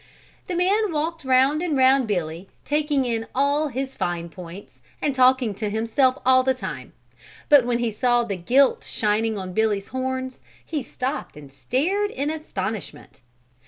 The man walked round and round Billy taking in all his fine points and talking to himself all the time, but when he saw the gilt shining on Billy's horns he stopped and stared in astonishment.